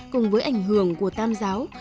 cùng với ảnh hưởng của tam giáo